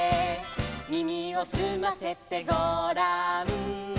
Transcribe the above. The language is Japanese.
「耳をすませてごらん」